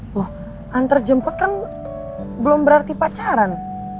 loh antar jemput kan belum berarti pacaran